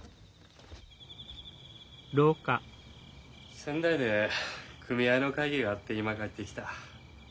仙台で組合の会議があって今帰ってきた。